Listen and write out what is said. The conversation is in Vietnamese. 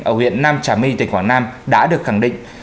ở huyện nam trà my tỉnh quảng nam đã được khẳng định